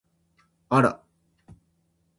あら！